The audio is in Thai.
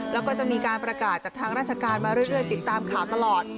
แล้วก็จะมีการประกาศจากทางราชการมาเรื่อยติดตามข่าวตลอด